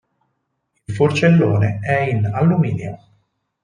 Il forcellone è in alluminio.